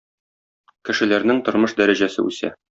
Кешеләрнең тормыш дәрәҗәсе үсә.